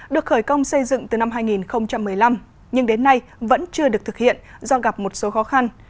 được khởi công xây dựng từ năm hai nghìn một mươi năm nhưng đến nay vẫn chưa được thực hiện do gặp một số khó khăn